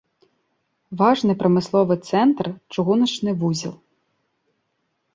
Важны прамысловы цэнтр, чыгуначны вузел.